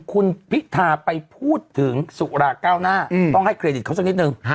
คุณพิธาไปพูดถึงสุราเก้าหน้าต้องให้เครดิตเขาสักนิดนึง